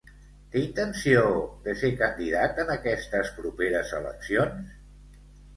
Té intenció de ser candidat en aquestes properes eleccions?